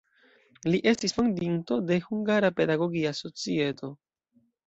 Li estis fondinto de "Hungara Pedagogia Societo".